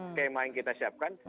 skema yang kita siapkan